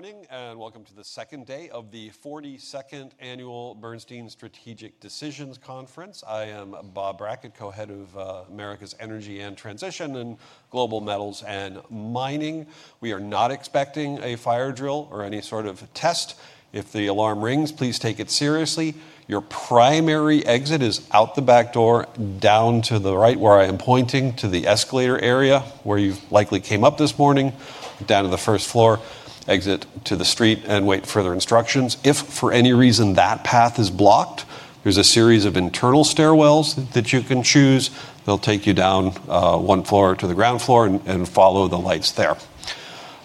Good morning. Welcome to the second day of the 42nd Annual Bernstein Strategic Decisions Conference. I am Bob Brackett, Co-Head of America's Energy and Transition and Global Metals and Mining. We are not expecting a fire drill or any sort of test. If the alarm rings, please take it seriously. Your primary exit is out the back door, down to the right where I am pointing to the escalator area where you likely came up this morning, down to the first floor, exit to the street, and wait for further instructions. If for any reason that path is blocked, there's a series of internal stairwells that you can choose. They'll take you down one floor to the ground floor and follow the lights there.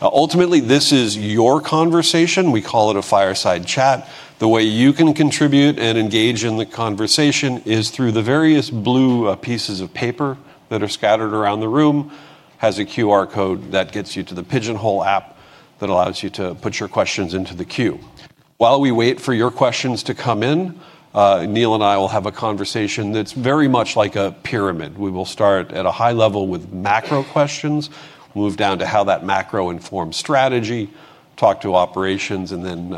Ultimately, this is your conversation. We call it a fireside chat. The way you can contribute and engage in the conversation is through the various blue pieces of paper that are scattered around the room. Has a QR code that gets you to the Pigeonhole app that allows you to put your questions into the queue. While we wait for your questions to come in, Neil and I will have a conversation that's very much like a pyramid. We will start at a high level with macro questions, move down to how that macro informs strategy, talk to operations, and then,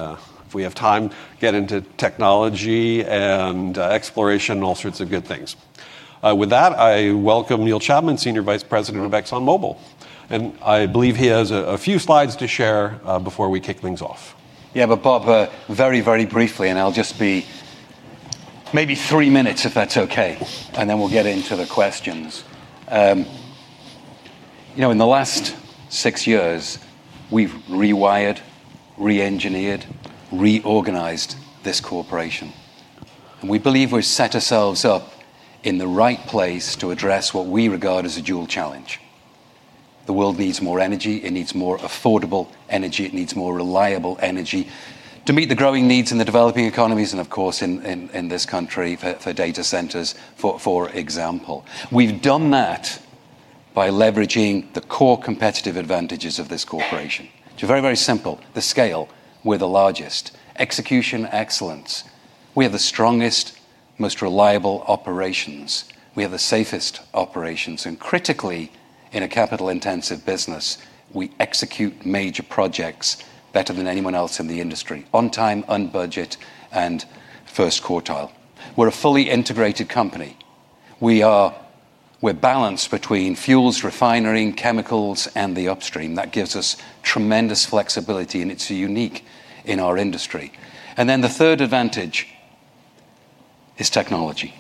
if we have time, get into technology and exploration, all sorts of good things. With that, I welcome Neil Chapman, Senior Vice President, ExxonMobil, and I believe he has a few slides to share before we kick things off. Yeah, Bob very briefly, I'll just be maybe three minutes if that's okay, then we'll get into the questions. In the last six years, we've rewired, reengineered, reorganized this corporation. We believe we've set ourselves up in the right place to address what we regard as a dual challenge. The world needs more energy. It needs more affordable energy. It needs more reliable energy to meet the growing needs in the developing economies and, of course, in this country for data centers, for example. We've done that by leveraging the core competitive advantages of this corporation. Very simple. The scale, we're the largest. Execution excellence. We have the strongest, most reliable operations. We have the safest operations. Critically, in a capital-intensive business, we execute major projects better than anyone else in the industry, on time, on budget, and first quartile. We're a fully integrated company. We're balanced between fuels, refinery, chemicals, and the upstream. That gives us tremendous flexibility, and it's unique in our industry. The third advantage is technology.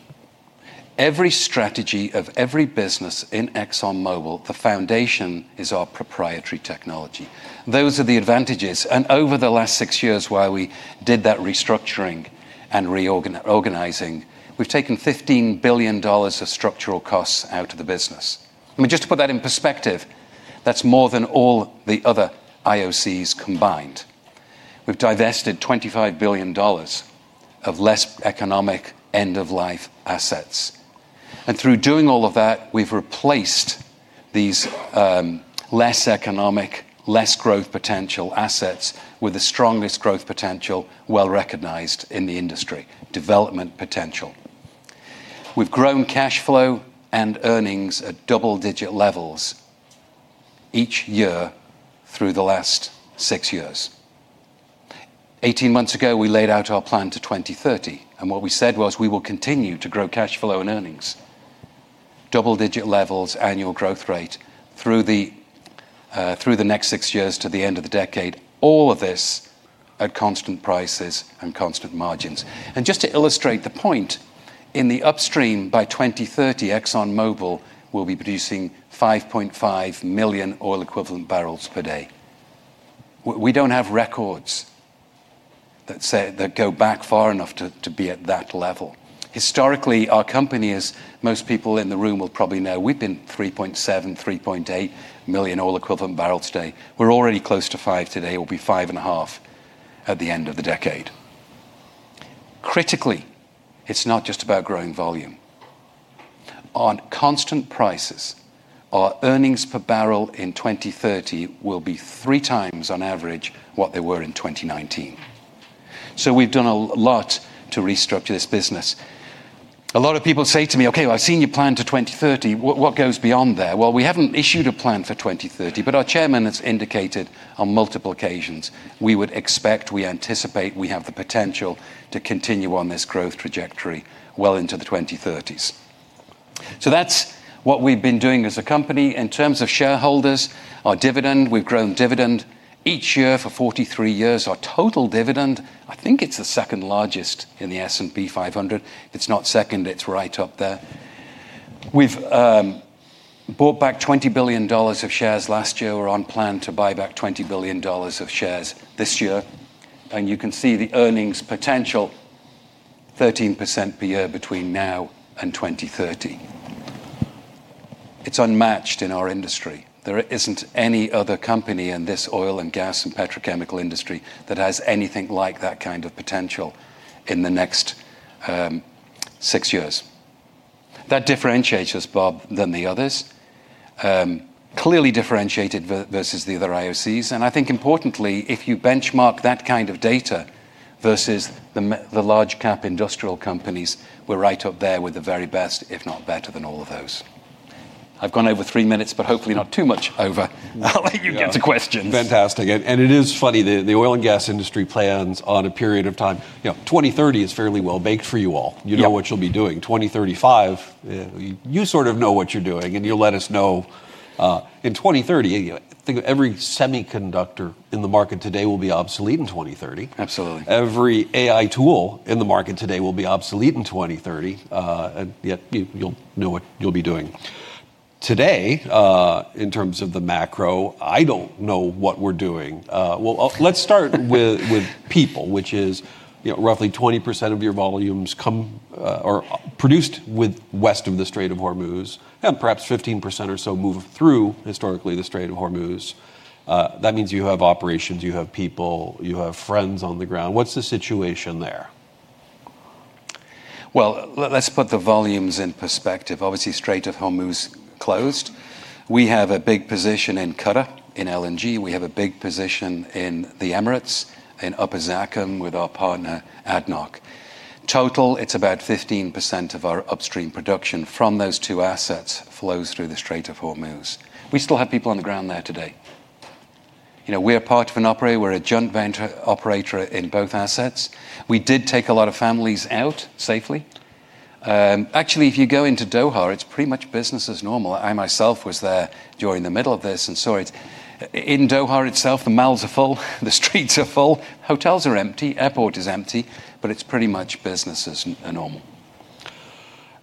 Every strategy of every business in ExxonMobil, the foundation is our proprietary technology. Those are the advantages. Over the last six years, while we did that restructuring and reorganizing, we've taken $15 billion of structural costs out of the business. Just to put that in perspective, that's more than all the other IOCs combined. We've divested $25 billion of less economic end-of-life assets. Through doing all of that, we've replaced these less economic, less growth potential assets with the strongest growth potential, well-recognized in the industry, development potential. We've grown cash flow and earnings at double-digit levels each year through the last six years. 18 months ago, we laid out our plan to 2030. What we said was we will continue to grow cash flow and earnings, double-digit levels annual growth rate through the next six years to the end of the decade, all of this at constant prices and constant margins. Just to illustrate the point, in the upstream, by 2030, ExxonMobil will be producing 5.5 million oil equivalent barrels per day. We don't have records that go back far enough to be at that level. Historically, our company, as most people in the room will probably know, we've been 3.7 million, 3.8 million oil equivalent barrels a day. We're already close to 5 million today. We'll be 5.5 million at the end of the decade. Critically, it's not just about growing volume. On constant prices, our earnings per barrel in 2030 will be 3x on average what they were in 2019. We've done a lot to restructure this business. A lot of people say to me, "Okay, well, I've seen your plan to 2030. What goes beyond there?" We haven't issued a plan for 2030, but our chairman has indicated on multiple occasions we would expect, we anticipate we have the potential to continue on this growth trajectory well into the 2030s. That's what we've been doing as a company. In terms of shareholders, our dividend, we've grown dividend each year for 43 years. Our total dividend, I think it's the second largest in the S&P 500. If it's not second, it's right up there. We've bought back $20 billion of shares last year. We're on plan to buy back $20 billion of shares this year. You can see the earnings potential, 13% per year between now and 2030. It's unmatched in our industry. There isn't any other company in this oil and gas and petrochemical industry that has anything like that kind of potential in the next six years. That differentiates us, Bob, than the others. Clearly differentiated versus the other IOCs. I think importantly, if you benchmark that kind of data versus the large-cap industrial companies, we're right up there with the very best, if not better than all of those. I've gone over three minutes, hopefully not too much over. I'll let you get to questions. Fantastic. It is funny, the oil and gas industry plans on a period of time. 2030 is fairly well baked for you all. Yep. You know what you'll be doing. 2035, you sort of know what you're doing, and you'll let us know. In 2030, I think every semiconductor in the market today will be obsolete in 2030. Absolutely. Every AI tool in the market today will be obsolete in 2030. Yet, you'll know what you'll be doing. Today, in terms of the macro, I don't know what we're doing. Well, let's start with people, which is roughly 20% of your volumes come, or are produced with west of the Strait of Hormuz, and perhaps 15% or so move through, historically, the Strait of Hormuz. That means you have operations, you have people, you have friends on the ground. What's the situation there? Let's put the volumes in perspective. Obviously, Strait of Hormuz closed. We have a big position in Qatar, in LNG. We have a big position in the Emirates, in Upper Zakum with our partner, ADNOC. Total, it's about 15% of our upstream production from those two assets flows through the Strait of Hormuz. We still have people on the ground there today. We are part of an operator. We're a joint venture operator in both assets. We did take a lot of families out safely. Actually, if you go into Doha, it's pretty much business as normal. I myself was there during the middle of this and saw it. In Doha itself, the malls are full, the streets are full. Hotels are empty, airport is empty, but it's pretty much business as normal.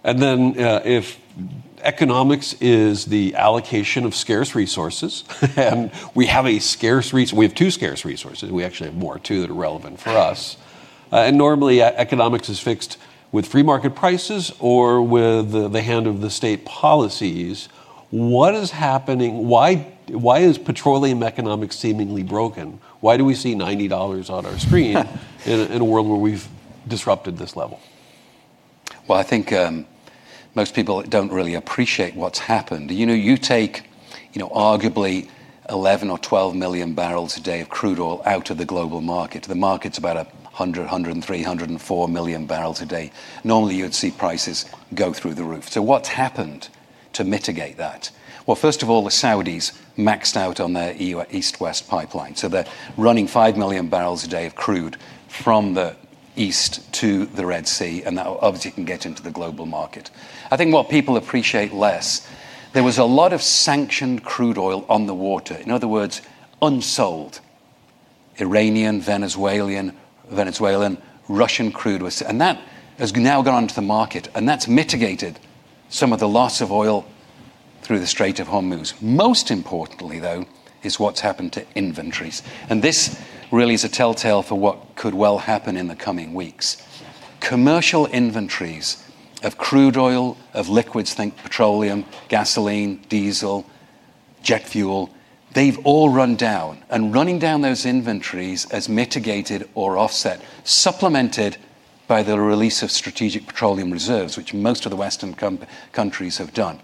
If economics is the allocation of scarce resources and we have two scarce resources, we actually have more, two that are relevant for us. Normally, economics is fixed with free market prices or with the hand of the state policies. What is happening? Why is petroleum economics seemingly broken? Why do we see $90 on our screen in a world where we've disrupted this level? Well, I think most people don't really appreciate what's happened. You take arguably 11 million or 12 million barrels a day of crude oil out of the global market. The market's about 100 million, 103 million, 104 million barrels a day. Normally, you would see prices go through the roof. What's happened to mitigate that? Well, first of all, the Saudis maxed out on their East-West Pipeline. They're running five million barrels a day of crude from the east to the Red Sea, and that obviously can get into the global market. I think what people appreciate less, there was a lot of sanctioned crude oil on the water, in other words, unsold Iranian, Venezuelan, Russian crude. That has now gone to the market, and that's mitigated some of the loss of oil through the Strait of Hormuz. Most importantly, though, is what's happened to inventories. This really is a telltale for what could well happen in the coming weeks. Commercial inventories of crude oil, of liquids, think petroleum, gasoline, diesel, jet fuel, they've all run down. Running down those inventories has mitigated or offset, supplemented by the release of strategic petroleum reserves, which most of the Western countries have done.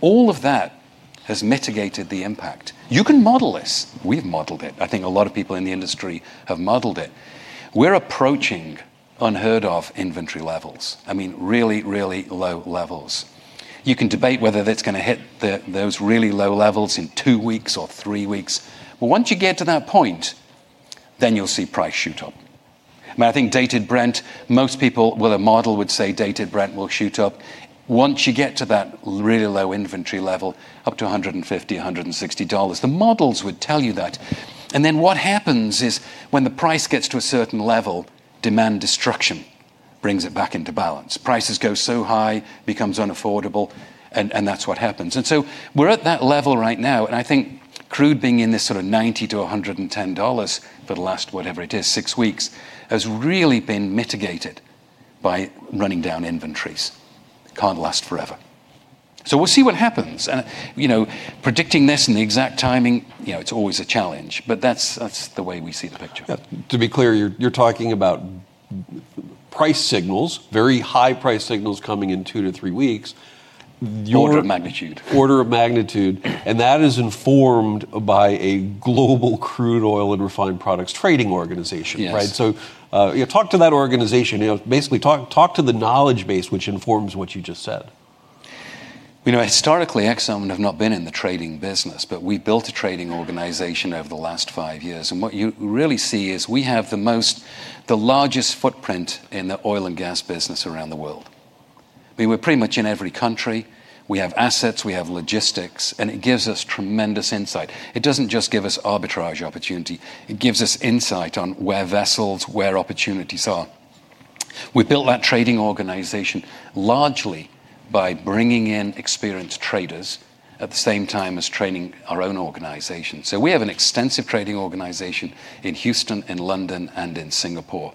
All of that has mitigated the impact. You can model this. We've modeled it. I think a lot of people in the industry have modeled it. We're approaching unheard of inventory levels. I mean, really low levels. You can debate whether that's going to hit those really low levels in two weeks or three weeks. Once you get to that point, you'll see price shoot up. I think Dated Brent, most people with a model would say Dated Brent will shoot up once you get to that really low inventory level, up to $150, $160. The models would tell you that. What happens is when the price gets to a certain level, demand destruction brings it back into balance. Prices go so high, becomes unaffordable, and that's what happens. We're at that level right now, and I think crude being in this sort of $90-$110 for the last, whatever it is, six weeks, has really been mitigated by running down inventories. Can't last forever. We'll see what happens. Predicting this and the exact timing, it's always a challenge. That's the way we see the picture. To be clear, you're talking about price signals, very high price signals coming in two to three weeks. Order of magnitude. Order of magnitude, that is informed by a global crude oil and refined products trading organization, right? Yes. Talk to that organization. Basically, talk to the knowledge base which informs what you just said. Historically, Exxon have not been in the trading business, but we built a trading organization over the last five years. What you really see is we have the largest footprint in the oil and gas business around the world. We're pretty much in every country. We have assets, we have logistics, and it gives us tremendous insight. It doesn't just give us arbitrage opportunity. It gives us insight on where vessels, where opportunities are. We built that trading organization largely by bringing in experienced traders at the same time as training our own organization. We have an extensive trading organization in Houston, in London, and in Singapore.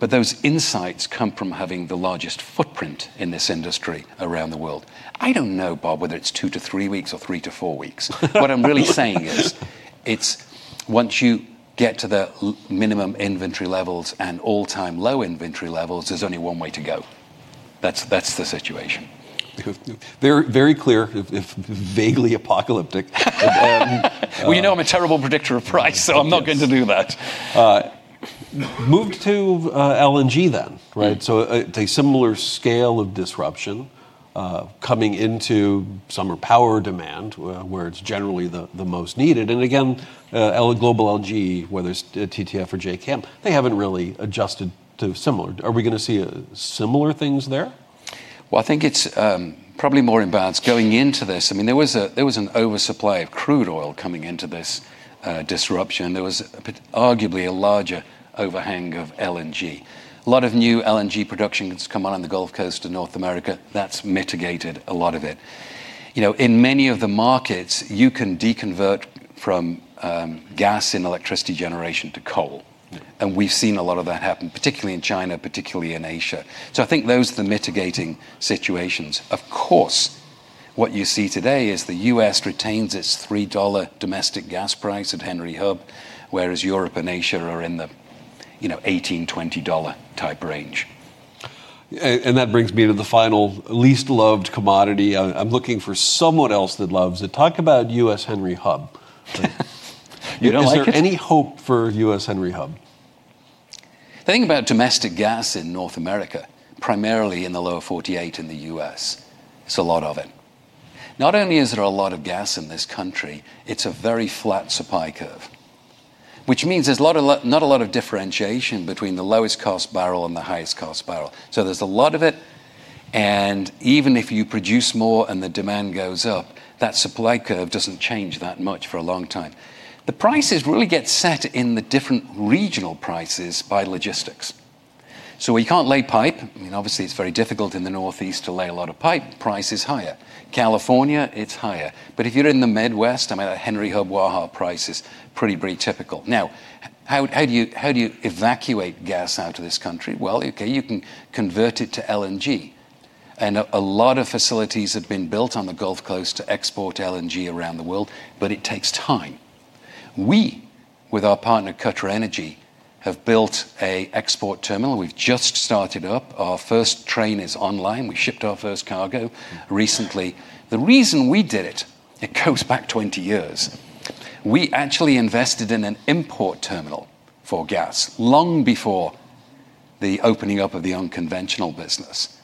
Those insights come from having the largest footprint in this industry around the world. I don't know, Bob, whether it's 2-3 weeks or 3-4 weeks. What I'm really saying is, once you get to the minimum inventory levels and all-time low inventory levels, there's only one way to go. That's the situation. Very clear, vaguely apocalyptic. Well, you know I'm a terrible predictor of price. I'm not going to do that. Move to LNG, right? A similar scale of disruption coming into summer power demand, where it's generally the most needed. Again, Global LNG, whether it's TTF or JKM, they haven't really adjusted to similar. Are we going to see similar things there? Well, I think it's probably more in balance going into this. There was an oversupply of crude oil coming into this disruption. There was arguably a larger overhang of LNG. A lot of new LNG production has come on in the Gulf Coast of North America. That's mitigated a lot of it. In many of the markets, you can deconvert from gas and electricity generation to coal. Yeah. We've seen a lot of that happen, particularly in China, particularly in Asia. I think those are the mitigating situations. Of course, what you see today is the U.S. retains its $3 domestic gas price at Henry Hub, whereas Europe and Asia are in the $18-$20 type range. That brings me to the final least-loved commodity. I'm looking for someone else that loves it. Talk about U.S. Henry Hub. You don't like it? Is there any hope for U.S. Henry Hub? The thing about domestic gas in North America, primarily in the lower 48 in the U.S., is a lot of it. Not only is there a lot of gas in this country, it's a very flat supply curve. Which means there's not a lot of differentiation between the lowest cost barrel and the highest cost barrel. There's a lot of it, and even if you produce more and the demand goes up, that supply curve doesn't change that much for a long time. The prices really get set in the different regional prices by logistics. We can't lay pipe. Obviously, it's very difficult in the Northeast to lay a lot of pipe. Price is higher. California, it's higher. If you're in the Midwest, a Henry Hub well price is pretty typical. Now, how do you evacuate gas out of this country? Well, okay, you can convert it to LNG. A lot of facilities have been built on the Gulf Coast to export LNG around the world, but it takes time. We, with our partner QatarEnergy, have built an export terminal. We've just started up. Our first train is online. We shipped our first cargo recently. The reason we did it goes back 20 years. We actually invested in an import terminal for gas long before the opening up of the unconventional business,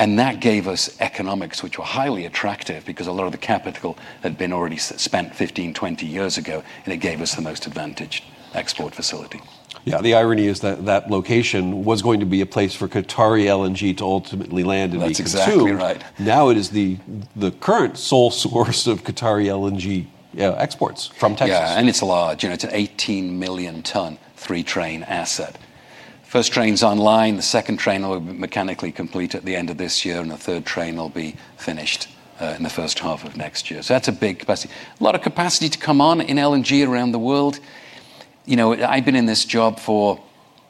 and that gave us economics which were highly attractive because a lot of the capital had been already spent 15, 20 years ago, and it gave us the most advantaged export facility. Yeah. The irony is that location was going to be a place for Qatari LNG to ultimately land. That's exactly right. now it is the current sole source of Qatari LNG exports from Texas. Yeah, it's large. It's an 18 million ton, three-train asset. First train's online, the second train will be mechanically complete at the end of this year, and the third train will be finished in the first half of next year. That's a big capacity. A lot of capacity to come on in LNG around the world. I've been in this job for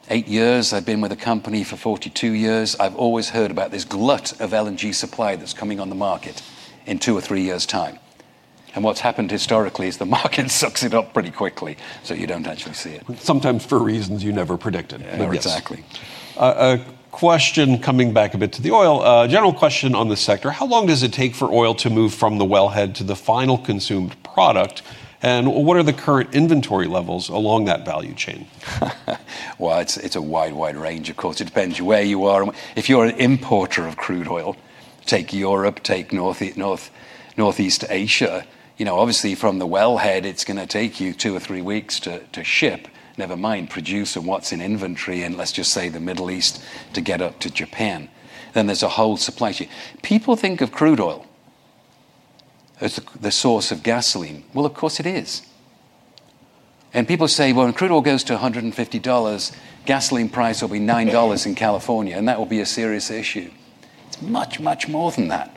eight years. I've been with the company for 42 years. I've always heard about this glut of LNG supply that's coming on the market in two or three years' time. What's happened historically is the market sucks it up pretty quickly, so you don't actually see it. Sometimes for reasons you never predicted. Yes, exactly. A question coming back a bit to the oil. A general question on the sector. How long does it take for oil to move from the wellhead to the final consumed product, and what are the current inventory levels along that value chain? Well, it's a wide range, of course. It depends where you are. If you're an importer of crude oil, take Europe, take Northeast Asia, obviously from the wellhead, it's going to take you two or three weeks to ship, never mind produce and what's in inventory in, let's just say, the Middle East to get up to Japan. There's a whole supply chain. People think of crude oil as the source of gasoline. Well, of course it is. People say, "Well, when crude oil goes to $150, gasoline price will be $9 in California, and that will be a serious issue." It's much, much more than that.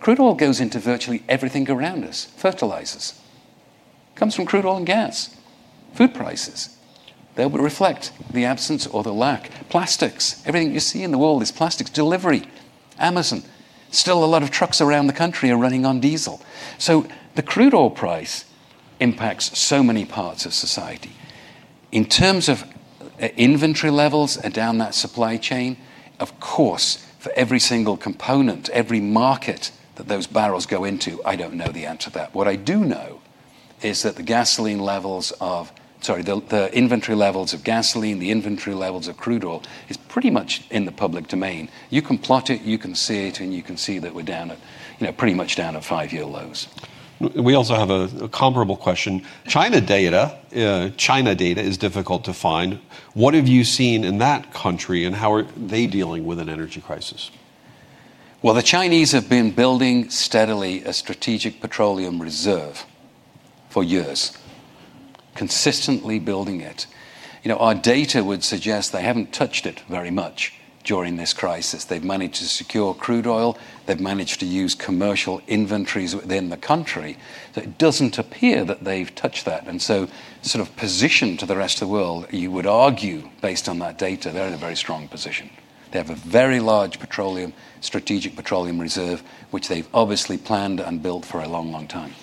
Crude oil goes into virtually everything around us. Fertilizers comes from crude oil and gas. Food prices, they will reflect the absence or the lack. Plastics. Everything you see in the world is plastics. Delivery. Amazon. Still a lot of trucks around the country are running on diesel. The crude oil price impacts so many parts of society. In terms of inventory levels down that supply chain, of course, for every single component, every market that those barrels go into, I don't know the answer to that. What I do know is that the inventory levels of gasoline, the inventory levels of crude oil, is pretty much in the public domain. You can plot it, you can see it, and you can see that we're pretty much down at five-year lows. We also have a comparable question. China data is difficult to find. What have you seen in that country, and how are they dealing with an energy crisis? Well, the Chinese have been building steadily a Strategic Petroleum Reserve for years. Consistently building it. Our data would suggest they haven't touched it very much during this crisis. They've managed to secure crude oil. They've managed to use commercial inventories within the country. It doesn't appear that they've touched that, and so position to the rest of the world, you would argue, based on that data, they're in a very strong position. They have a very large Strategic Petroleum Reserve, which they've obviously planned and built for a long time.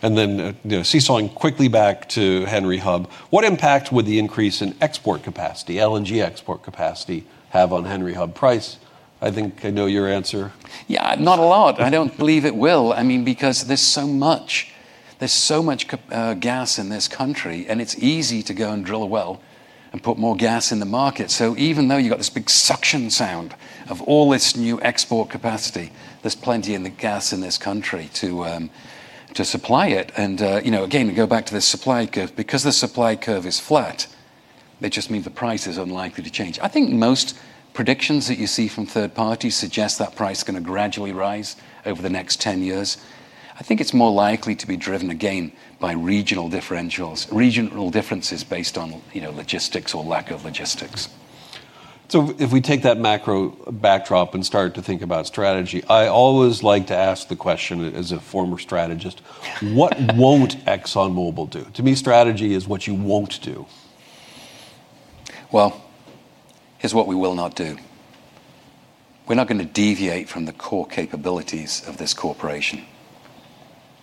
Then seesawing quickly back to Henry Hub, what impact would the increase in export capacity, LNG export capacity, have on Henry Hub price? I think I know your answer. Yeah, not a lot. I don't believe it will because there's so much gas in this country, and it's easy to go and drill a well and put more gas in the market. Even though you've got this big suction demand of all this new export capacity, there's plenty in the gas in this country to supply it. Again, we go back to this supply curve, because the supply curve is flat, that just means the price is unlikely to change. I think most predictions that you see from third parties suggest that price is going to gradually rise over the next 10 years. I think it's more likely to be driven again by regional differentials, regional differences based on logistics or lack of logistics. If we take that macro backdrop and start to think about strategy, I always like to ask the question, as a former strategist, what won't ExxonMobil do? To me, strategy is what you won't do. Well, here's what we will not do. We're not going to deviate from the core capabilities of this corporation.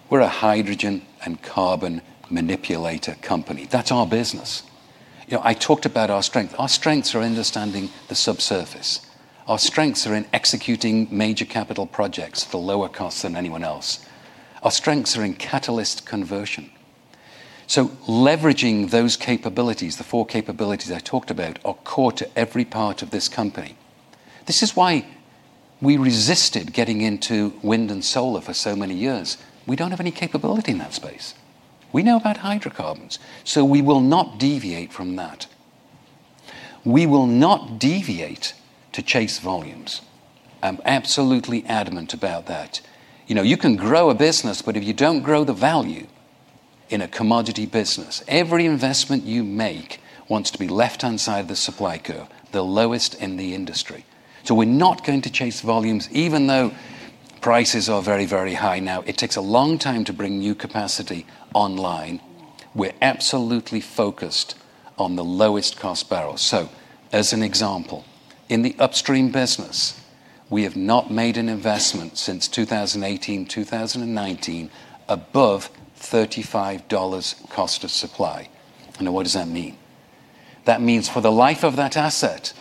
We're a hydrogen and carbon manipulator company. That's our business. I talked about our strength. Our strengths are understanding the subsurface. Our strengths are in executing major capital projects for lower costs than anyone else. Our strengths are in catalyst conversion. Leveraging those capabilities, the four capabilities I talked about, are core to every part of this company. This is why we resisted getting into wind and solar for so many years. We don't have any capability in that space. We know about hydrocarbons. We will not deviate from that. We will not deviate to chase volumes. I'm absolutely adamant about that. You can grow a business, but if you don't grow the value in a commodity business, every investment you make wants to be left-hand side of the supply curve, the lowest in the industry. We're not going to chase volumes, even though prices are very, very high now. It takes a long time to bring new capacity online. We're absolutely focused on the lowest cost barrel. As an example, in the upstream business, we have not made an investment since 2018, 2019 above $35 cost of supply. What does that mean? That means for the life of that asset,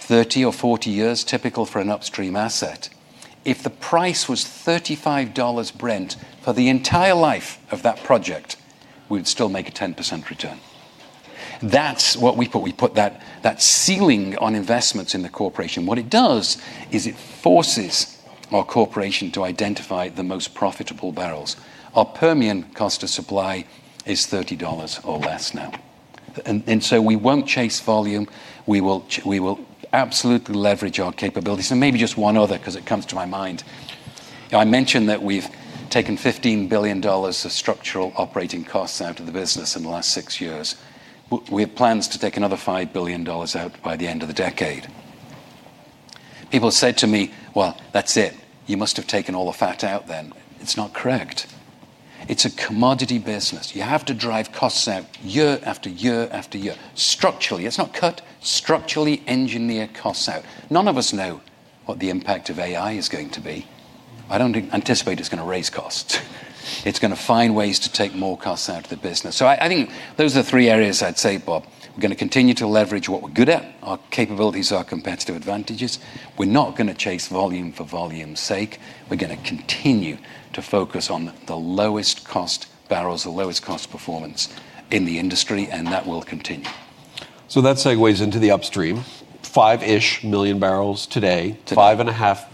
30 or 40 years, typical for an upstream asset, if the price was $35 Brent for the entire life of that project, we'd still make a 10% return. That's what we put. We put that ceiling on investments in the corporation. What it does is it forces our corporation to identify the most profitable barrels. Our Permian cost of supply is $30 or less now. We won't chase volume. We will absolutely leverage our capabilities. Maybe just one other, because it comes to my mind. I mentioned that we've taken $15 billion of structural operating costs out of the business in the last six years. We have plans to take another $5 billion out by the end of the decade. People have said to me, "Well, that's it. You must have taken all the fat out then." It's not correct. It's a commodity business. You have to drive costs out year after year after year, structurally. It's not cut. Structurally engineer costs out. None of us know what the impact of AI is going to be. I don't anticipate it's going to raise costs. It's going to find ways to take more costs out of the business. I think those are the three areas I'd say, Bob. We're going to continue to leverage what we're good at. Our capabilities, our competitive advantages. We're not going to chase volume for volume's sake. We're going to continue to focus on the lowest cost barrels, the lowest cost performance in the industry, and that will continue. That segues into the upstream. 5-ish million barrels today. Today. 5.5-ish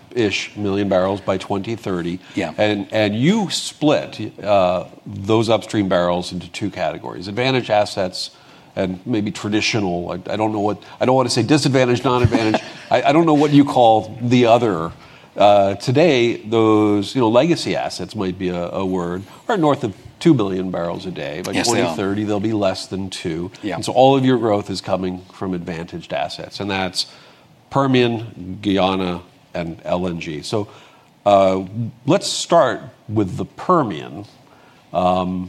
million barrels by 2030. Yeah. You split those upstream barrels into two categories, advantage assets and maybe traditional. I don't want to say disadvantage, non-advantage. I don't know what you call the other. Today, those legacy assets might be a word. They're north of 2 million barrels a day. Yes, they are. By 2030, they'll be less than two. Yeah. All of your growth is coming from advantaged assets, and that's Permian, Guyana, and LNG. Let's start with the Permian. I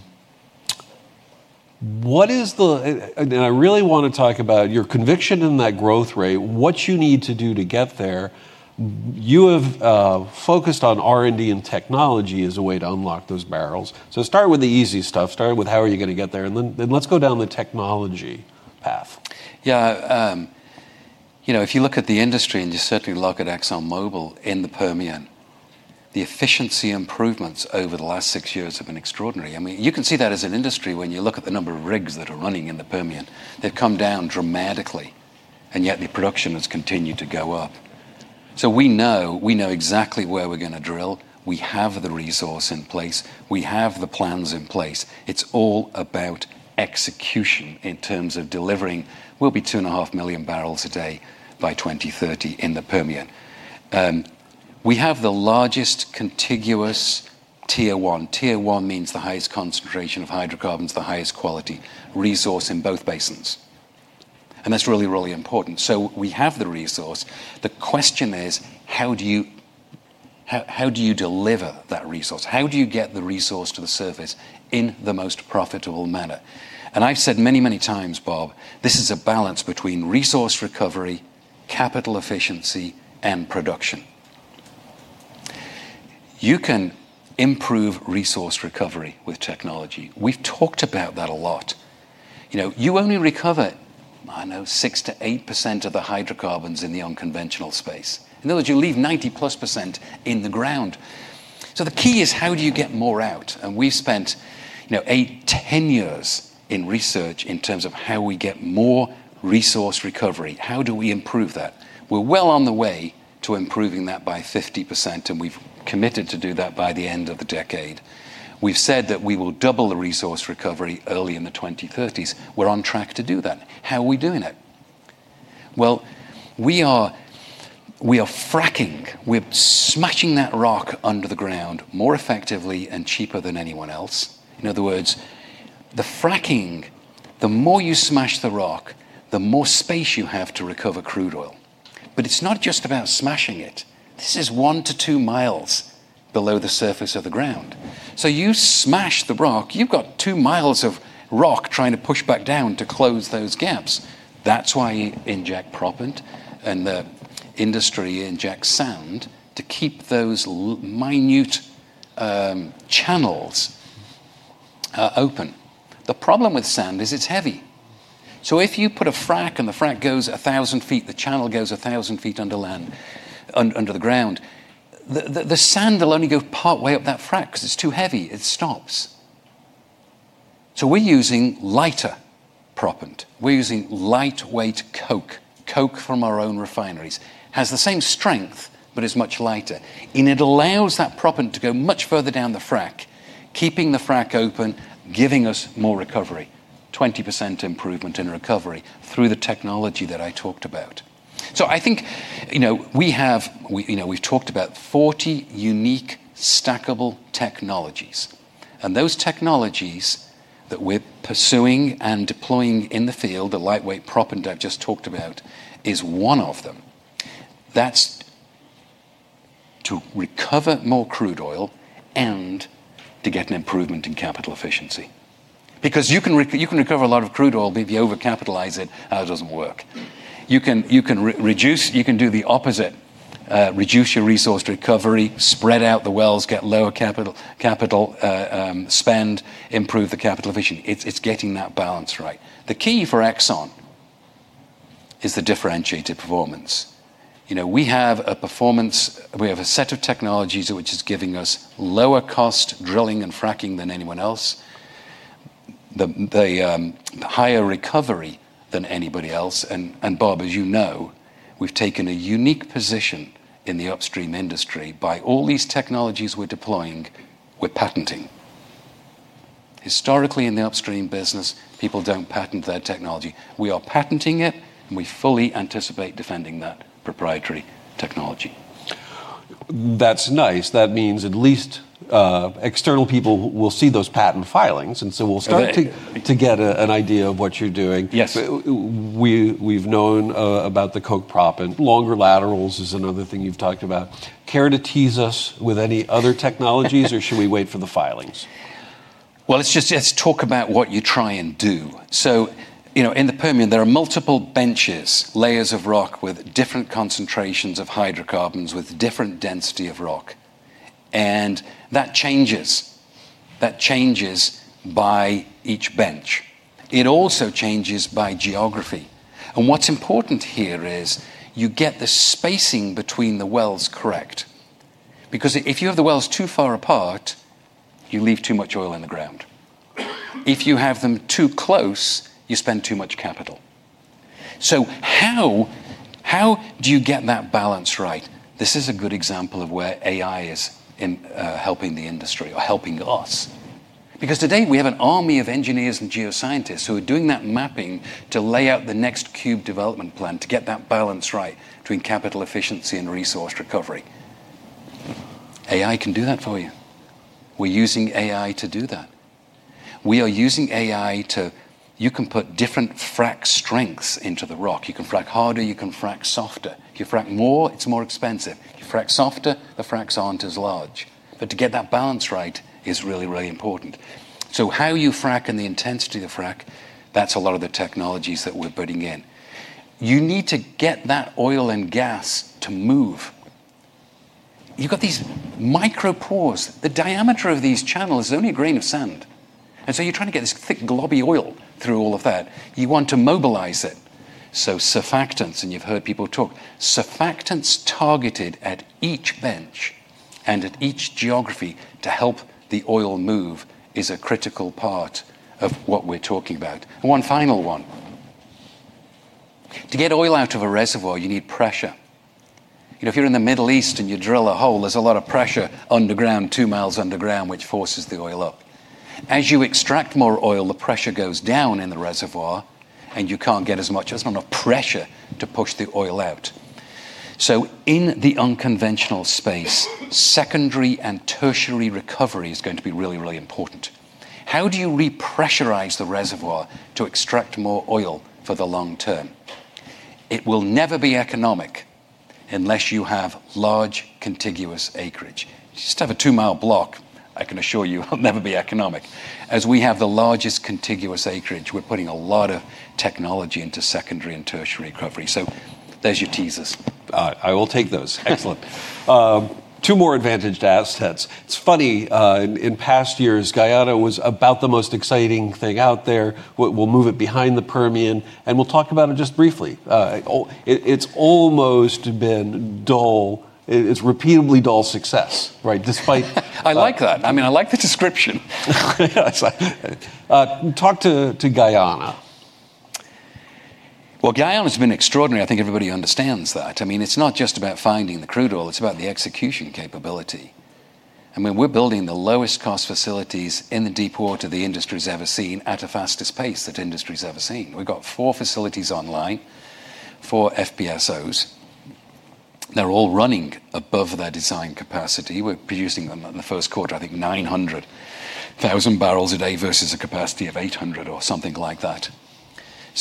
really want to talk about your conviction in that growth rate, what you need to do to get there. You have focused on R&D and technology as a way to unlock those barrels. Start with the easy stuff. Start with how are you going to get there, and then let's go down the technology path. If you look at the industry, and you certainly look at ExxonMobil in the Permian, the efficiency improvements over the last six years have been extraordinary. You can see that as an industry, when you look at the number of rigs that are running in the Permian. They've come down dramatically, and yet the production has continued to go up. We know exactly where we're going to drill. We have the resource in place. We have the plans in place. It's all about execution in terms of delivering. We'll be 2.5 million barrels a day by 2030 in the Permian. We have the largest contiguous tier one. Tier one means the highest concentration of hydrocarbons, the highest quality resource in both basins. That's really, really important. We have the resource. The question is, how do you deliver that resource? How do you get the resource to the surface in the most profitable manner? I've said many, many times, Bob, this is a balance between resource recovery, capital efficiency, and production. You can improve resource recovery with technology. We've talked about that a lot. You only recover, I know, 6%-8% of the hydrocarbons in the unconventional space. In other words, you leave 90+% in the ground. The key is how do you get more out? We've spent 8-10 years in research in terms of how we get more resource recovery. How do we improve that? We're well on the way to improving that by 50%, and we've committed to do that by the end of the decade. We've said that we will double the resource recovery early in the 2030s. We're on track to do that. How are we doing it? Well, we are fracking. We're smashing that rock under the ground more effectively and cheaper than anyone else. In other words, the fracking, the more you smash the rock, the more space you have to recover crude oil. It's not just about smashing it. This is one to two miles below the surface of the ground. You smash the rock, you've got two miles of rock trying to push back down to close those gaps. That's why you inject proppant, the industry injects sand to keep those minute channels open. The problem with sand is it's heavy. If you put a frack and the frack goes 1,000 feet, the channel goes 1,000 feet under the ground. The sand will only go partway up that frack because it's too heavy. It stops. We're using lighter proppant. We're using lightweight coke. Coke from our own refineries. Has the same strength, but is much lighter, and it allows that proppant to go much further down the frack, keeping the frack open, giving us more recovery, 20% improvement in recovery through the technology that I talked about. I think we've talked about 40 unique stackable technologies, and those technologies that we're pursuing and deploying in the field, the lightweight proppant I've just talked about is one of them. That's to recover more crude oil and to get an improvement in capital efficiency. You can recover a lot of crude oil, but if you overcapitalize it doesn't work. You can do the opposite, reduce your resource recovery, spread out the wells, get lower capital spend, improve the capital efficiency. It's getting that balance right. The key for Exxon is the differentiated performance. We have a set of technologies which is giving us lower cost drilling and fracking than anyone else, the higher recovery than anybody else, and Bob, as you know, we've taken a unique position in the upstream industry by all these technologies we're deploying, we're patenting. Historically, in the upstream business, people don't patent their technology. We are patenting it, and we fully anticipate defending that proprietary technology. That's nice. That means at least external people will see those patent filings. To get an idea of what you're doing. Yes. We've known about the coke proppant. Longer laterals is another thing you've talked about. Care to tease us with any other technologies, or should we wait for the filings? Well, let's talk about what you try and do. In the Permian, there are multiple benches, layers of rock with different concentrations of hydrocarbons, with different density of rock. That changes. That changes by each bench. It also changes by geography. What's important here is you get the spacing between the wells correct. Because if you have the wells too far apart, you leave too much oil in the ground. If you have them too close, you spend too much capital. How do you get that balance right? This is a good example of where AI is helping the industry or helping us. Because today we have an army of engineers and geoscientists who are doing that mapping to lay out the next cube development plan to get that balance right between capital efficiency and resource recovery. AI can do that for you. We're using AI to do that. You can put different frack strengths into the rock. You can frack harder. You can frack softer. You frack more, it's more expensive. You frack softer, the fracks aren't as large. To get that balance right is really important. How you frack and the intensity of the frack, that's a lot of the technologies that we're putting in. You need to get that oil and gas to move. You've got these micropores. The diameter of these channels is only a grain of sand. You're trying to get this thick, globby oil through all of that. You want to mobilize it. Surfactants, and you've heard people talk, surfactants targeted at each bench and at each geography to help the oil move is a critical part of what we're talking about. One final one. To get oil out of a reservoir, you need pressure. If you're in the Middle East and you drill a hole, there's a lot of pressure underground, two miles underground, which forces the oil up. As you extract more oil, the pressure goes down in the reservoir, and you can't get as much. There's not enough pressure to push the oil out. In the unconventional space, secondary and tertiary recovery is going to be really, really important. How do you repressurize the reservoir to extract more oil for the long term? It will never be economic unless you have large contiguous acreage. If you just have a two-mile block, I can assure you it'll never be economic. As we have the largest contiguous acreage, we're putting a lot of technology into secondary and tertiary recovery. There's your teases. All right. I will take those. Excellent. Two more advantaged assets. It's funny, in past years, Guyana was about the most exciting thing out there. We'll move it behind the Permian, and we'll talk about it just briefly. It's almost been dull. It's repeatedly dull success, right? I like that. I like the description. Talk to Guyana. Well, Guyana's been extraordinary. I think everybody understands that. It's not just about finding the crude oil, it's about the execution capability. When we're building the lowest cost facilities in the deep water the industry's ever seen at a faster pace than industry's ever seen. We've got four facilities online, four FPSOs. They're all running above their design capacity. We're producing them in the first quarter, I think 900,000 barrels a day versus a capacity of 800 or something like that.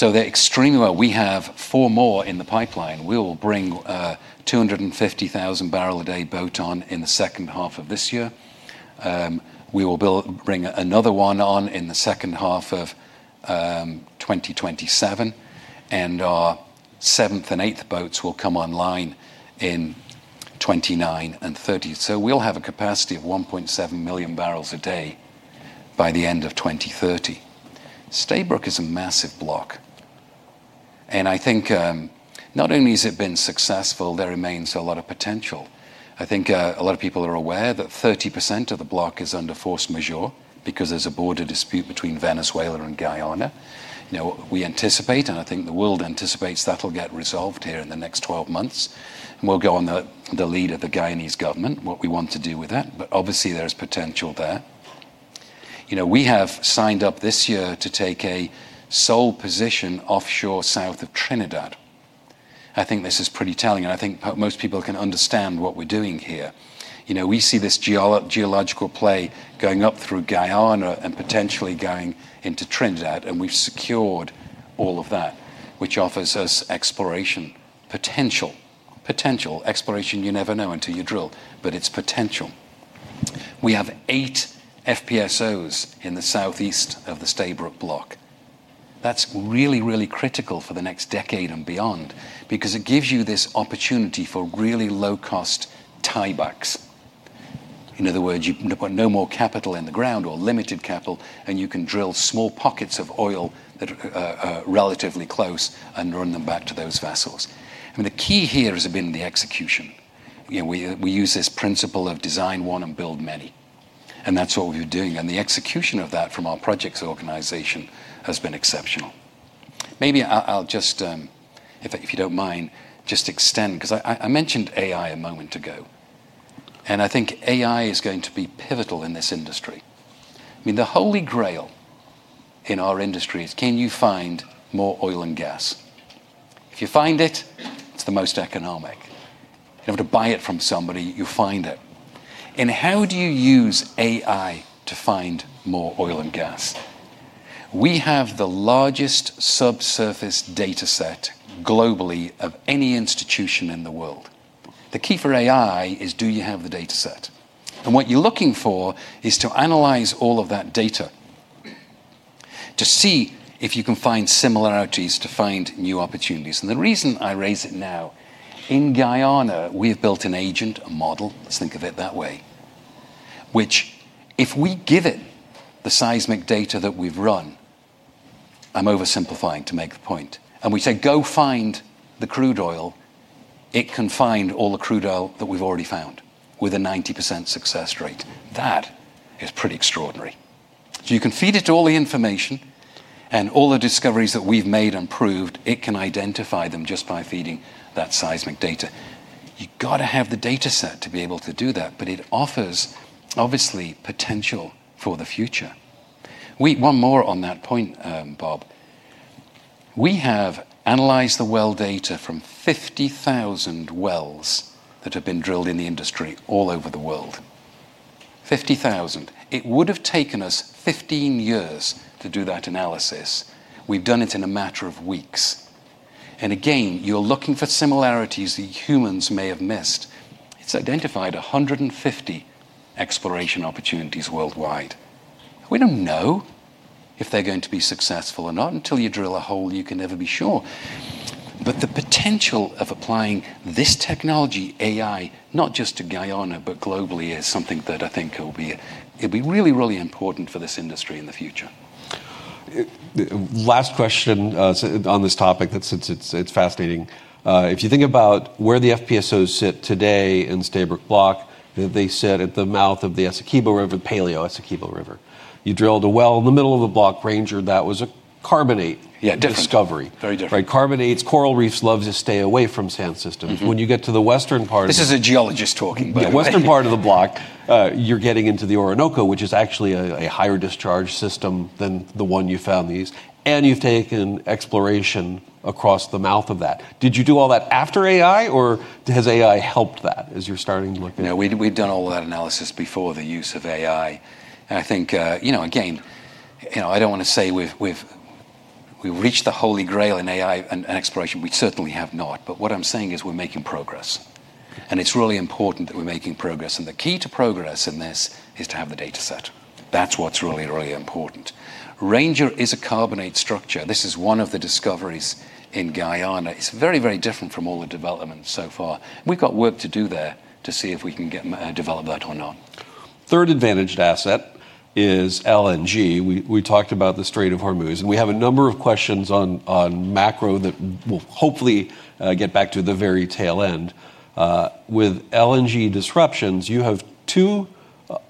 They're extremely well. We have four more in the pipeline. We'll bring a 250,000 barrel a day boat on in the second half of this year. We will bring another one on in the second half of 2027, and our seventh and eighth boats will come online in 2029 and 2030. We'll have a capacity of 1.7 million barrels a day by the end of 2030. Stabroek is a massive block. I think, not only has it been successful, there remains a lot of potential. I think a lot of people are aware that 30% of the block is under force majeure because there's a border dispute between Venezuela and Guyana. We anticipate, and I think the world anticipates, that'll get resolved here in the next 12 months, and we'll go on the lead of the Guyanese government, what we want to do with that. Obviously, there's potential there. We have signed up this year to take a sole position offshore south of Trinidad. I think this is pretty telling, and I think most people can understand what we're doing here. We see this geological play going up through Guyana and potentially going into Trinidad, and we've secured all of that, which offers us exploration potential. Potential exploration, you never know until you drill, but it's potential. We have eight FPSOs in the southeast of the Stabroek Block. That's really critical for the next decade and beyond because it gives you this opportunity for really low-cost tiebacks. In other words, you've got no more capital in the ground or limited capital, you can drill small pockets of oil that are relatively close and run them back to those vessels. I mean, the key here has been the execution. We use this principle of design one and build many. That's what we're doing. The execution of that from our projects organization has been exceptional. Maybe I'll just, if you don't mind, just extend, because I mentioned AI a moment ago. I think AI is going to be pivotal in this industry. The holy grail in our industry is can you find more oil and gas? If you find it's the most economic. You don't have to buy it from somebody, you find it. How do you use AI to find more oil and gas? We have the largest subsurface data set globally of any institution in the world. The key for AI is do you have the data set? What you're looking for is to analyze all of that data to see if you can find similarities to find new opportunities. The reason I raise it now, in Guyana, we have built an agent, a model, let's think of it that way, which if we give it the seismic data that we've run, I'm oversimplifying to make the point, and we say, "Go find the crude oil," it can find all the crude oil that we've already found with a 90% success rate. That is pretty extraordinary. You can feed it all the information and all the discoveries that we've made and proved, it can identify them just by feeding that seismic data. You got to have the data set to be able to do that, but it offers, obviously, potential for the future. One more on that point, Bob. We have analyzed the well data from 50,000 wells that have been drilled in the industry all over the world. 50,000. It would have taken us 15 years to do that analysis. We've done it in a matter of weeks. Again, you're looking for similarities that humans may have missed. It's identified 150 exploration opportunities worldwide. We don't know if they're going to be successful or not. Until you drill a hole, you can never be sure. The potential of applying this technology, AI, not just to Guyana but globally, is something that I think it'll be really, really important for this industry in the future. Last question on this topic, since it's fascinating. If you think about where the FPSOs sit today in Stabroek Block, they sit at the mouth of the Essequibo River, Paleo-Essequibo River. You drilled a well in the middle of the block Ranger that was a carbonate discovery. Very different. Right. Carbonates, coral reefs love to stay away from sand systems. When you get to the western part of. This is a geologist talking, by the way. western part of the block, you're getting into the Orinoco, which is actually a higher discharge system than the one you found these, and you've taken exploration across the mouth of that. Did you do all that after AI, or has AI helped that as you're starting to look at it? No. We've done all of that analysis before the use of AI. I think, again, I don't want to say we've reached the holy grail in AI and exploration. We certainly have not, but what I'm saying is we're making progress, and it's really important that we're making progress. The key to progress in this is to have the data set. That's what's really important. Ranger is a carbonate structure. This is one of the discoveries in Guyana. It's very different from all the developments so far. We've got work to do there to see if we can develop that or not. Third advantaged asset is LNG. We talked about the Strait of Hormuz, we have a number of questions on macro that we'll hopefully get back to the very tail end. With LNG disruptions, you have two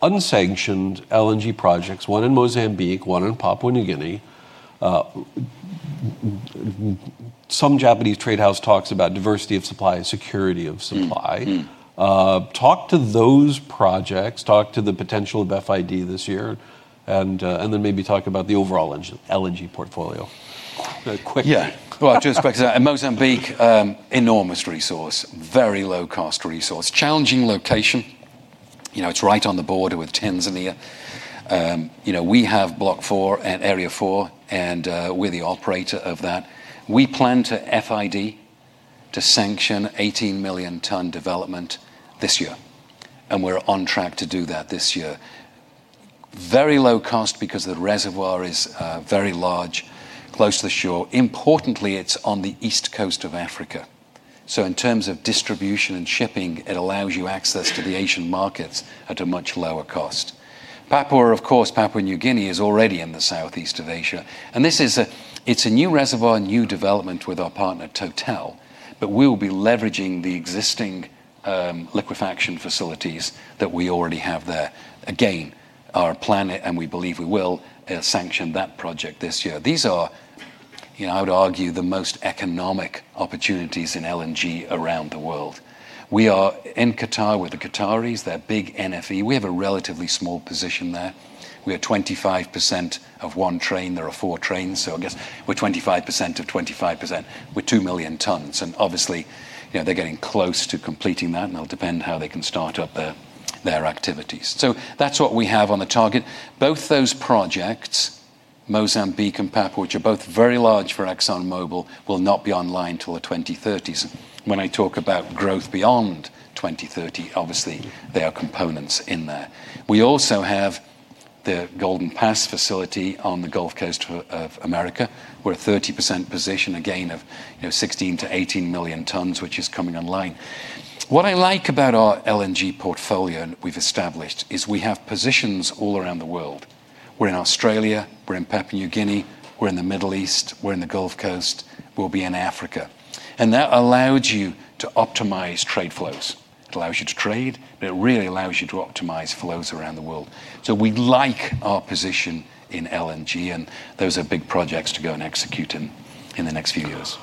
unsanctioned LNG projects, one in Mozambique, one in Papua New Guinea. Some Japanese trade house talks about diversity of supply and security of supply. Talk to those projects, talk to the potential of FID this year, and then maybe talk about the overall LNG portfolio quickly. Yeah. Well, just because Mozambique, enormous resource, very low-cost resource, challenging location. It's right on the border with Tanzania. We have Block 4 and Area 4, and we're the operator of that. We plan to FID to sanction 18 million ton development this year, and we're on track to do that this year. Very low cost because the reservoir is very large, close to the shore. Importantly, it's on the east coast of Africa. In terms of distribution and shipping, it allows you access to the Asian markets at a much lower cost. Papua, of course, Papua New Guinea is already in the southeast of Asia, and this is a new reservoir, a new development with our partner Total, but we'll be leveraging the existing liquefaction facilities that we already have there. Again, our plan, and we believe we will sanction that project this year. These are, I would argue, the most economic opportunities in LNG around the world. We are in Qatar with the Qataris. They're big NFE. We have a relatively small position there. We are 25% of one train. There are four trains. I guess we're 25% of 25%. We're 2 million tons. Obviously, they're getting close to completing that, and it'll depend how they can start up their activities. That's what we have on the target. Both those projects, Mozambique and Papua, which are both very large for ExxonMobil, will not be online till the 2030s. When I talk about growth beyond 2030, obviously, they are components in there. We also have the Golden Pass facility on the Gulf Coast of America, where a 30% position, again, of 16 million-18 million tons, which is coming online. What I like about our LNG portfolio we've established is we have positions all around the world. We're in Australia, we're in Papua New Guinea, we're in the Middle East, we're in the Gulf Coast, we'll be in Africa. That allows you to optimize trade flows. It allows you to trade, but it really allows you to optimize flows around the world. We like our position in LNG, and those are big projects to go and execute in the next few years.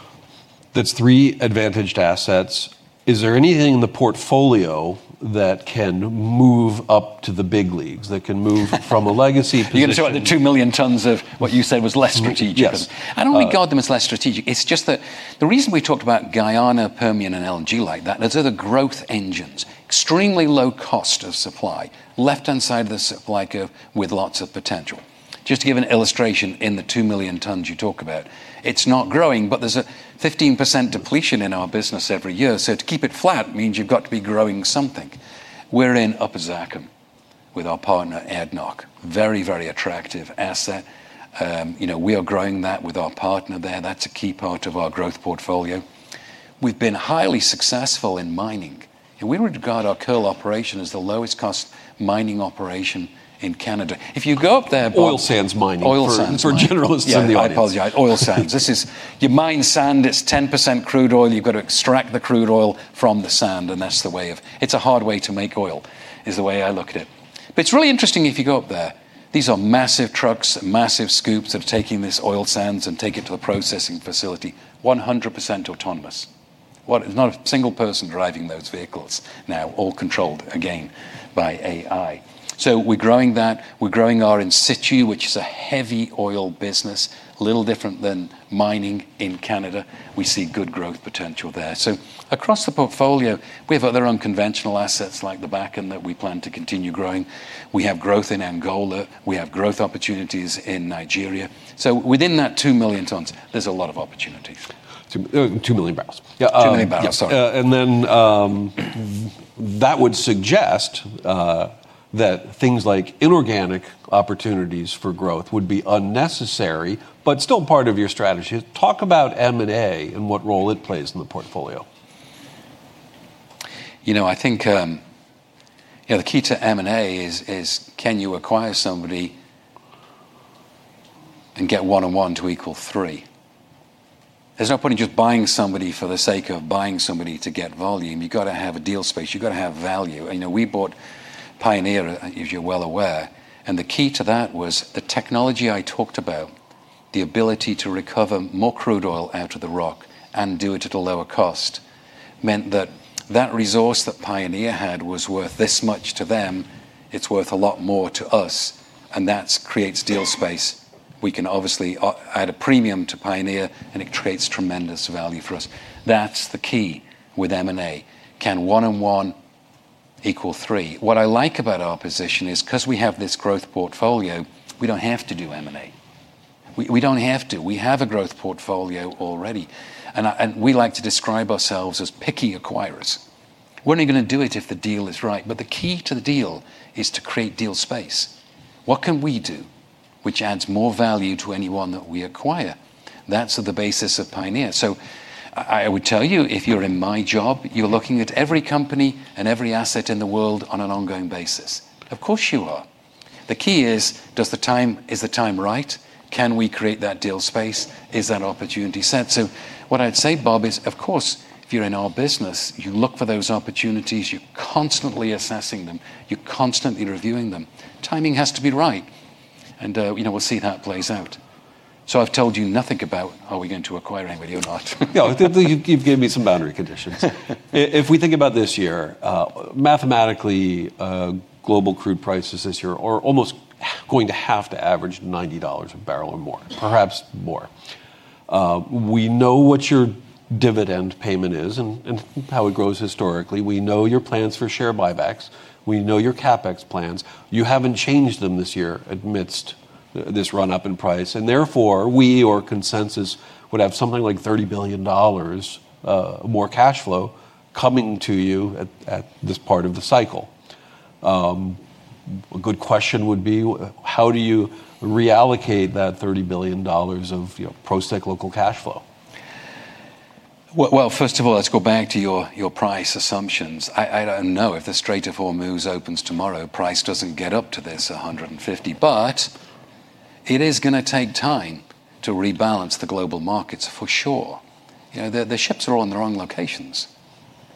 That's three advantaged assets. Is there anything in the portfolio that can move up to the big leagues, from a legacy position? You're going to talk about the 2 million tons of what you said was less strategic. Yes. I don't regard them as less strategic. It's just that the reason we talked about Guyana, Permian, and LNG like that, those are the growth engines. Extremely low cost of supply. Left-hand side of the supply curve with lots of potential. Just to give an illustration, in the 2 million tons you talk about, it's not growing, but there's a 15% depletion in our business every year. To keep it flat means you've got to be growing something. We're in Upper Zakum with our partner, ADNOC. Very attractive asset. We are growing that with our partner there. That's a key part of our growth portfolio. We've been highly successful in mining. We regard our Kearl operation as the lowest cost mining operation in Canada. Oil sands mining. Oil sands for generalists in the audience. Yeah, oil sands. You mine sand that's 10% crude oil. You've got to extract the crude oil from the sand. It's a hard way to make oil, is the way I look at it. It's really interesting if you go up there. These are massive trucks, massive scoops of taking this oil sands and take it to a processing facility. 100% autonomous. There's not a single person driving those vehicles now, all controlled, again, by AI. We're growing that. We're growing our in-situ, which is a heavy oil business, a little different than mining in Canada. We see good growth potential there. Across the portfolio, we have other unconventional assets like the Bakken that we plan to continue growing. We have growth in Angola. We have growth opportunities in Nigeria. Within that 2 million tons, there's a lot of opportunity. 2 million barrels. 2 million barrels, yes. That would suggest that things like inorganic opportunities for growth would be unnecessary, but still part of your strategy. Talk about M&A and what role it plays in the portfolio. I think the key to M&A is can you acquire somebody and get one and one to equal three. There's no point in just buying somebody for the sake of buying somebody to get volume. You've got to have a deal space. You've got to have value. We bought Pioneer, as you're well aware, and the key to that was the technology I talked about, the ability to recover more crude oil out of the rock and do it at a lower cost, meant that that resource that Pioneer had was worth this much to them. It's worth a lot more to us, and that creates deal space. We can obviously add a premium to Pioneer, and it creates tremendous value for us. That's the key with M&A. Can one and one equal three? What I like about our position is because we have this growth portfolio, we don't have to do M&A. We don't have to. We have a growth portfolio already, and we like to describe ourselves as picky acquirers. We're only going to do it if the deal is right, but the key to the deal is to create deal space. What can we do which adds more value to anyone that we acquire? That's the basis of Pioneer. I would tell you, if you're in my job, you're looking at every company and every asset in the world on an ongoing basis. Of course you are. The key is the time right? Can we create that deal space? Is that opportunity set? What I'd say, Bob, is of course, if you're in our business, you look for those opportunities, you're constantly assessing them, you're constantly reviewing them. Timing has to be right. We'll see how it plays out. I've told you nothing about are we going to acquire anybody or not? No, you've given me some boundary conditions. If we think about this year, mathematically, global crude prices this year are almost going to have to average $90 a barrel or more, perhaps more. We know what your dividend payment is and how it grows historically. We know your plans for share buybacks. We know your CapEx plans. You haven't changed them this year amidst this run-up in price. Therefore, we or consensus would have something like $30 billion more cash flow coming to you at this part of the cycle. A good question would be, how do you reallocate that $30 billion of post-tax cash flow? Well, first of all, let's go back to your price assumptions. I don't know if the Strait of Hormuz opens tomorrow, price doesn't get up to this $150. It is going to take time to rebalance the global markets for sure. The ships are all in the wrong locations.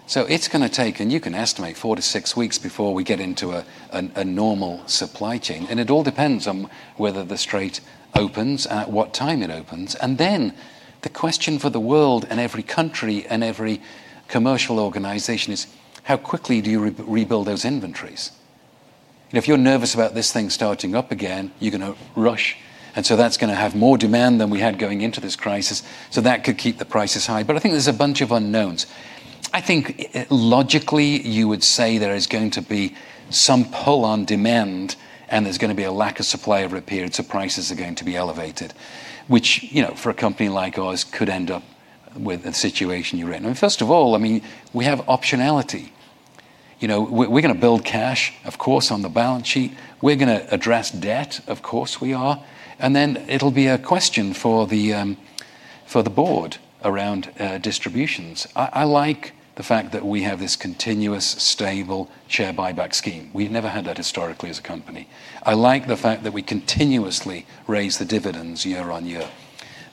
It's going to take, and you can estimate four to six weeks before we get into a normal supply chain, and it all depends on whether the Strait opens, at what time it opens. Then the question for the world and every country and every commercial organization is how quickly do you rebuild those inventories? If you're nervous about this thing starting up again, you're going to rush. That's going to have more demand than we had going into this crisis. That could keep the prices high. I think there's a bunch of unknowns. I think logically you would say there is going to be some pull on demand and there's going to be a lack of supply over a period, so prices are going to be elevated, which for a company like ours could end up with the situation you're in. First of all, we have optionality. We're going to build cash, of course, on the balance sheet. We're going to address debt. Of course, we are. Then it'll be a question for the board around distributions. I like the fact that we have this continuous stable share buyback scheme. We've never had that historically as a company. I like the fact that we continuously raise the dividends year on year.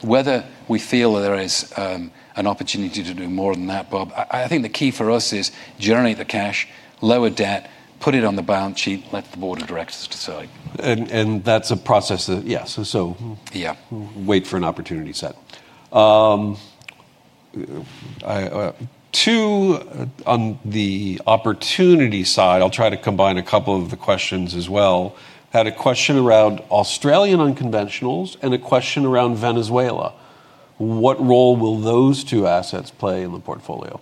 Whether we feel there is an opportunity to do more than that, Bob, I think the key for us is generate the cash, lower debt, put it on the balance sheet, let the board of directors decide. That's a process that Yeah. Yeah. Wait for an opportunity set. Two, on the opportunity side, I'll try to combine a couple of the questions as well. Had a question around Australian unconventionals and a question around Venezuela. What role will those two assets play in the portfolio?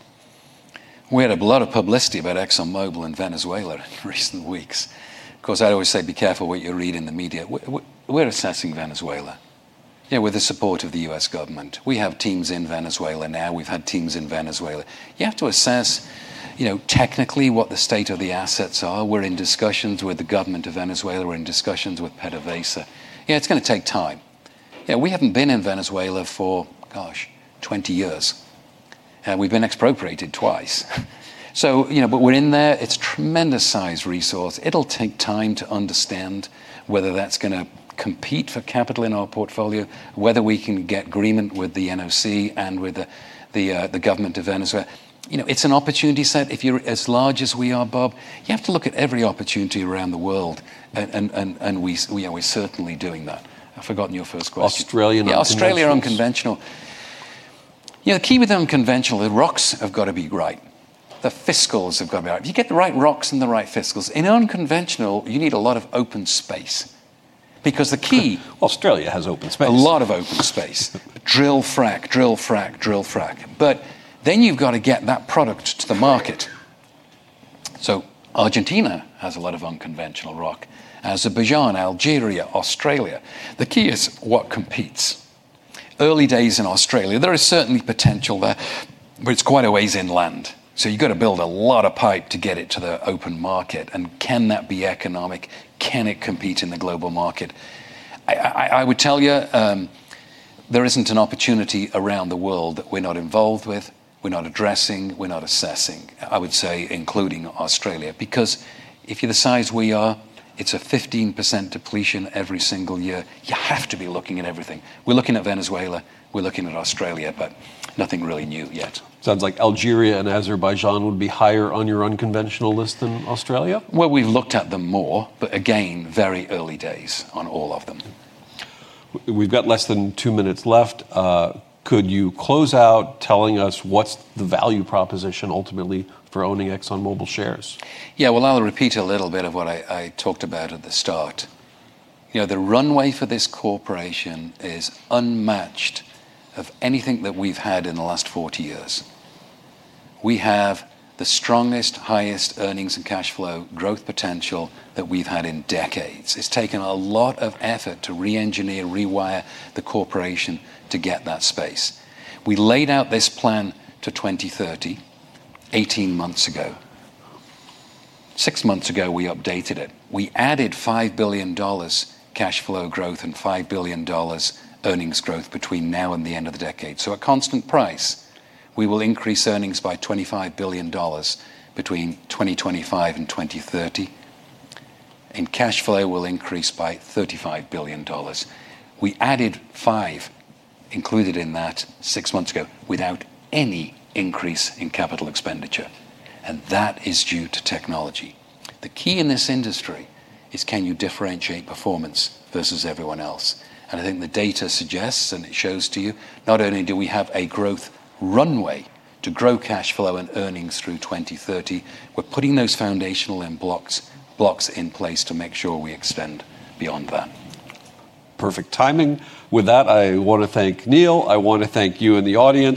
We had a lot of publicity about ExxonMobil in Venezuela in recent weeks. I'd always say be careful what you read in the media. We're assessing Venezuela, with the support of the U.S. government. We have teams in Venezuela now. We've had teams in Venezuela. You have to assess technically what the state of the assets are. We're in discussions with the government of Venezuela. We're in discussions with PDVSA. It's going to take time. We haven't been in Venezuela for, gosh, 20 years. We've been expropriated twice. We're in there. It's tremendous size resource. It'll take time to understand whether that's going to compete for capital in our portfolio, whether we can get agreement with the NOC and with the government of Venezuela. It's an opportunity set. If you're as large as we are, Bob, you have to look at every opportunity around the world, and we're certainly doing that. I've forgotten your first question. Australian unconventionals. Yeah, Australia unconventional. The key with unconventional, the rocks have got to be right. The fiscals have got to be right. If you get the right rocks and the right fiscals, in unconventional, you need a lot of open space because the key- Australia has open space A lot of open space. Drill, frack, drill, frack, drill, frack. You've got to get that product to the market. Argentina has a lot of unconventional rock. Azerbaijan, Algeria, Australia. The key is what competes. Early days in Australia, there is certainly potential there, but it's quite a ways inland. You've got to build a lot of pipe to get it to the open market, and can that be economic? Can it compete in the global market? I would tell you, there isn't an opportunity around the world that we're not involved with, we're not addressing, we're not assessing, I would say including Australia. If you're the size we are, it's a 15% depletion every single year. You have to be looking at everything. We're looking at Venezuela, we're looking at Australia, nothing really new yet. Sounds like Algeria and Azerbaijan would be higher on your unconventional list than Australia? Well, we've looked at them more, but again, very early days on all of them. We've got less than two minutes left. Could you close out telling us what's the value proposition ultimately for owning ExxonMobil shares? Yeah. Well, I'll repeat a little bit of what I talked about at the start. The runway for this corporation is unmatched of anything that we've had in the last 40 years. We have the strongest, highest earnings and cash flow growth potential that we've had in decades. It's taken a lot of effort to re-engineer and rewire the corporation to get that space. We laid out this plan to 2030, 18 months ago. Six months ago, we updated it. We added $5 billion cash flow growth and $5 billion earnings growth between now and the end of the decade. At constant price, we will increase earnings by $25 billion between 2025 and 2030, and cash flow will increase by $35 billion. We added $5 billion included in that six months ago without any increase in CapEx, and that is due to technology. The key in this industry is can you differentiate performance versus everyone else? I think the data suggests, and it shows to you, not only do we have a growth runway to grow cash flow and earnings through 2030, we're putting those foundational blocks in place to make sure we extend beyond that. Perfect timing. With that, I want to thank Neil. I want to thank you in the audience.